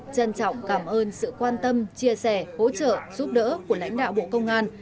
trân trọng cảm ơn sự quan tâm chia sẻ hỗ trợ giúp đỡ của lãnh đạo bộ công an